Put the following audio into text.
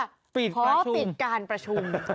ปิดขอปิดการประชุม